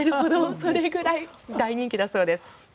それぐらい大人気だそうです。